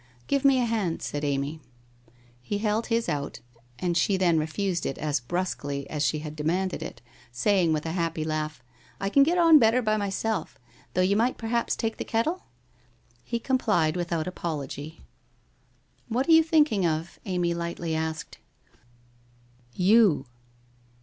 ' Give me a hand,' said Amy. He held his out, and she then refused it as brusquely as she had demanded it, saying, with a happy laugh, ' I can get on better by myself. Though you might perhaps take the kettle?' He complied, without apology. 1 What are you thinking of ?' Amy lightly asked. c You.'